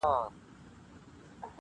• ښځي وویل هوښیاره یم پوهېږم -